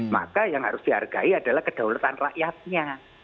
maka yang harus dihargai adalah kedaulatan rakyatnya